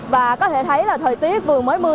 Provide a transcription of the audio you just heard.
và có thể thấy là thời tiết vừa mới phát triển